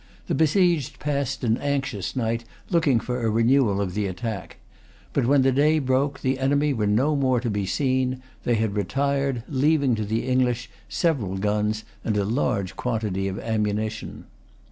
The besieged passed an anxious night, looking for a renewal of the attack. But when the day broke, the enemy were no more to be seen. They had retired, leaving to the English several guns and a large quantity of ammunition.